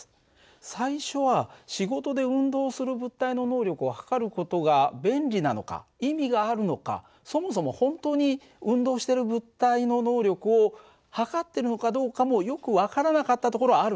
最初は仕事で運動する物体の能力を測る事が便利なのか意味があるのかそもそも本当に運動してる物体の能力を測ってるのかどうかもよく分からなかったところはあるんだ。